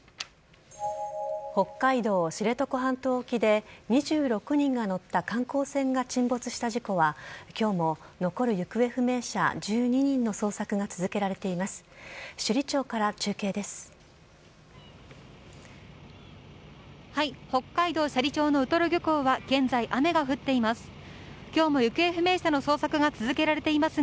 北海道知床半島沖で２６人が乗った観光船が沈没した事故は今日も残る行方不明者１２人の捜索が続けられています。